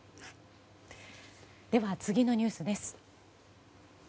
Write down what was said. では次のニュースです。